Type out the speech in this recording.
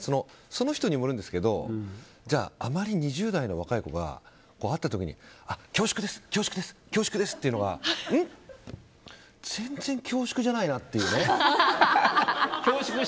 その人にもよるんですけどあまり２０代の若い子が会った時に恐縮です、恐縮ですって言うのは全然、恐縮じゃないなっていうね。